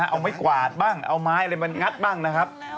เอาไม้กวาดบ้างเอาไม้อะไรมางัดบ้างนะครับ